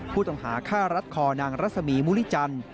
ผู้ต้องหาฆ่ารัดคอนางรัศมีมุริจันทร์